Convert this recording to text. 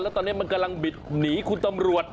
แล้วตอนนี้มันกำลังบิดหนีคุณตำรวจ